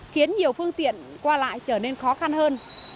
khiến nhiều phương tiện qua lại trở nên khó khăn hơn